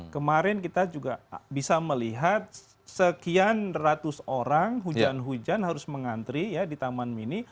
kemarin kita juga bisa melihat sekian ratus orang hujan hujan harus mengantri ya di taman mini